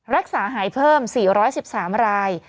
รักษาหายเพิ่ม๔๑๓ราย